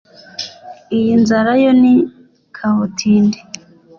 Iyi nzara yo ni kabutindi